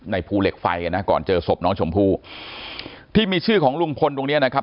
ภูเหล็กไฟกันนะก่อนเจอศพน้องชมพู่ที่มีชื่อของลุงพลตรงเนี้ยนะครับ